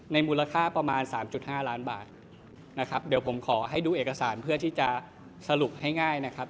มูลค่าประมาณ๓๕ล้านบาทนะครับเดี๋ยวผมขอให้ดูเอกสารเพื่อที่จะสรุปให้ง่ายนะครับ